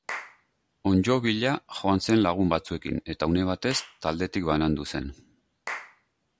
Onddo bila joan zen lagun batzuekin, eta une batez taldetik banandu zen.